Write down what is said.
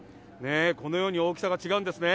このように大きさが違うんですね。